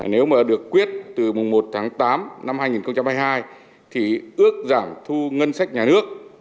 nếu mà được quyết từ mùng một tháng tám năm hai nghìn hai mươi hai thì ước giảm thu ngân sách nhà nước